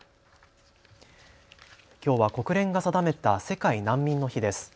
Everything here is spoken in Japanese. きょうは国連が定めた世界難民の日です。